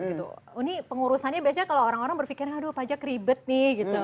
ini pengurusannya biasanya kalau orang orang berpikir aduh pajak ribet nih gitu